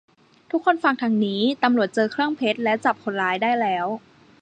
ทุกคนฟังทางนี้ ตำรวจเจอเครื่องเพชรและจับคนร้ายได้แล้ว